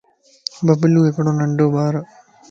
ببلو ھڪڙو ننڍو ٻار